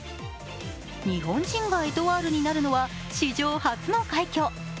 日本人がエトワールになるのは史上初の快挙。